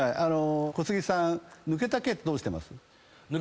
小杉さん抜けた毛どうしてます？